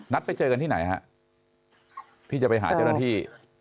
ไปเจอกันที่ไหนฮะที่จะไปหาเจ้าหน้าที่